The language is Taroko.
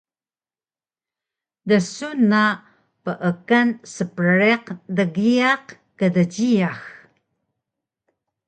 Dsun na peekan spriq dgiyaq kdjiyax